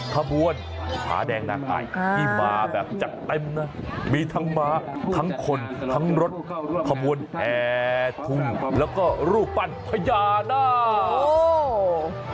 ขบวนผาแดงนางอายที่มาแบบจัดเต็มนะมีทั้งม้าทั้งคนทั้งรถขบวนแห่ทุมแล้วก็รูปปั้นพญานาค